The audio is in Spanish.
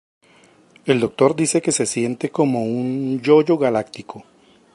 El Doctor dice que se siente como un "yo-yo galáctico".